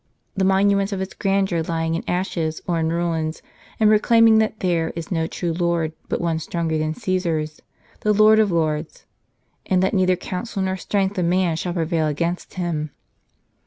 the monuments of its grandeur lying in ashes, or in ruins, and proclaiming that there is no true Lord but one stronger than Caesars, the Lord of lords; and that neither counsel nor strength of man shall prevail against Him.